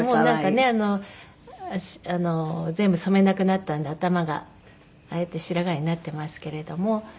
なんかね全部染めなくなったんで頭がああやって白髪になってますけれども。